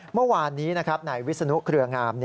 เมื่อวานนี้นายวิศนุเครืองาม